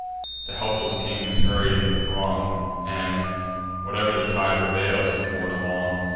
The helpless king is hurried in the throng, And, whate'er tide prevails, is borne along.